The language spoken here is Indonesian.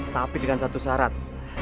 tapi dengan satu syarat